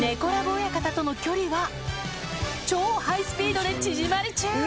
親方との距離は超ハイスピードで縮まり中！